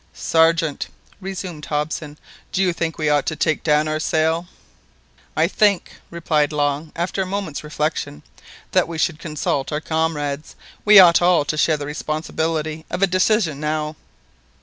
"Sergeant," resumed Hobson, "do you think we ought to take down our sail?" "I think," replied Long, after a moment's reflection, "that we should consult our comrades. We ought all to share the responsibility of a decision now."